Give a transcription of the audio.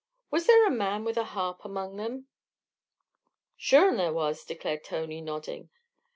"Was there a man with a harp among them?" "Sure an' there was," declared Tony, nodding.